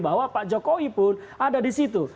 bahwa pak jokowi pun ada di situ